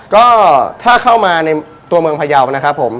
ก็ถ้าเข้ามาในตัวเมืองพยาวนะครับผม